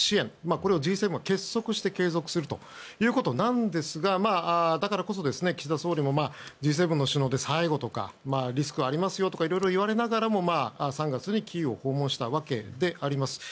これをＧ７が結束して継続するということなんですがだからこそ、岸田総理もＧ７の首脳で最後とかリスクがありますよとかいろいろ言われながらも３月にキーウを訪問したわけであります。